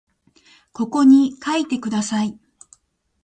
ここに書いてください